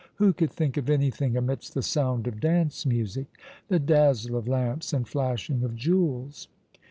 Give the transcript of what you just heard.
Who could think of anything amidst the sound of dance music, the dazzle of lamps and flashing of jewels?